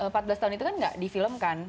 karena empat belas tahun itu kan enggak di film kan